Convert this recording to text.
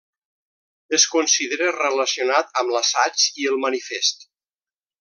Es considera relacionat amb l'assaig i el manifest.